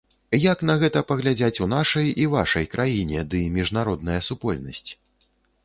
Як на гэта паглядзяць у нашай і вашай краіне ды міжнародная супольнасць?